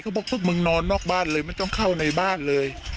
บอกพวกมึงนอนนอกบ้านเลยไม่ต้องเข้าในบ้านเลย